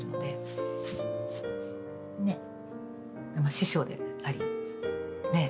師匠でありねえ